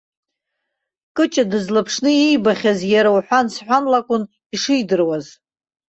Кыҷа дызлаԥшны иибахьаз, иара уҳәан-сҳәанла акәын ишидыруаз.